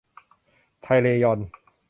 ไทยเรยอน